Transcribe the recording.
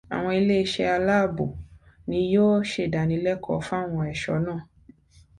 Àwọn iléeṣẹ́ aláàbò ni yóò ṣèdánilẹ́kọ̀ọ́ fáwọn ẹ̀sọ́ náà.